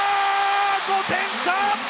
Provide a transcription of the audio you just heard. ５点差。